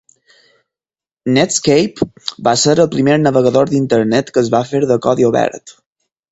Netscape va ser el primer navegador d'internet que es va fer de codi obert.